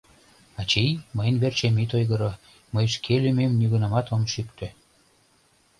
Ачий, мыйын верчем ит ойгыро: мый шке лӱмем нигунамат ом шӱктӧ.